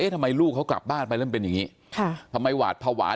เอ๊ะทำไมลูกเขากลับบ้านไปเริ่มเป็นอย่างงี้ค่ะทำไมหวาดพาหวาน